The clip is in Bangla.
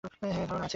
হ্যাঁঁ, ধারনা আছে।